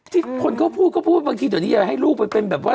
ที่คนเขาพูดก็พูดว่าบางทีตอนนี้จะให้ลูกไปเป็นแบบว่า